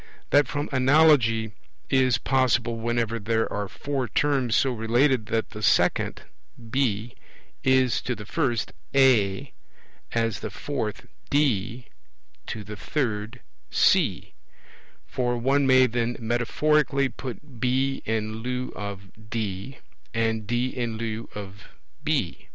That from analogy is possible whenever there are four terms so related that the second (B) is to the first (A), as the fourth (D) to the third (C); for one may then metaphorically put B in lieu of D, and D in lieu of B.